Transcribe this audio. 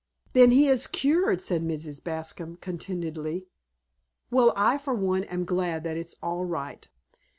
"Then he is cured," said Mrs. Bascom contentedly. "Well, I for one am glad that it's all right.